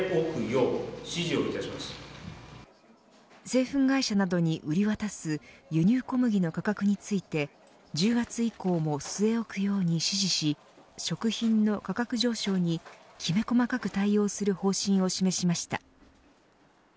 製粉会社などに売り渡す輸入小麦の価格について１０月以降も据え置くように指示し食品の価格上昇にきめ細かく対応する方針を示しました。